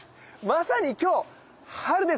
まさに今日春です。